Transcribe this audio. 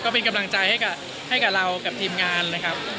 เป็นกำลังใจให้กับเรากับทีมงานนะครับ